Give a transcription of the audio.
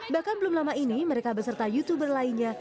bahkan belum lama ini mereka beserta youtuber lainnya